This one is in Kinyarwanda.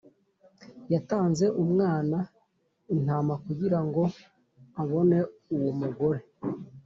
yatanze umwana intama kugira ngo abone uwo mugore